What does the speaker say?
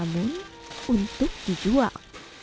namun untuk dijual